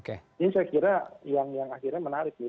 ini saya kira yang akhirnya menarik